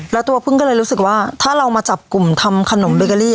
แล้วตัวพึ่งก็เลยรู้สึกว่าถ้าเรามาจับกลุ่มทำขนมเบเกอรี่